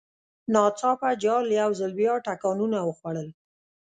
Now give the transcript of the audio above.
ناڅاپه جال یو ځل بیا ټکانونه وخوړل.